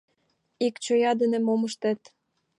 — Ик чоя дене мом ыштет?